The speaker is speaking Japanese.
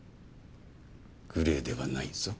グレーではないぞ。